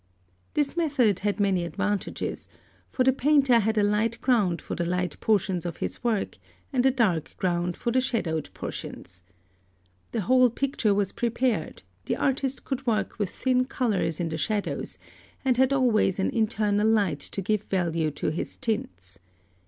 This method had many advantages; for the painter had a light ground for the light portions of his work and a dark ground for the shadowed portions. The whole picture was prepared; the artist could work with thin colours in the shadows, and had always an internal light to give value to his tints.